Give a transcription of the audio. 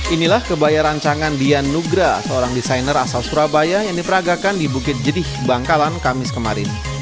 inilah kebaya rancangan dian nugra seorang desainer asal surabaya yang diperagakan di bukit jedih bangkalan kamis kemarin